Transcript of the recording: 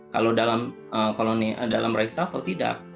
kalau dalam kolonial dalam ritstafel tidak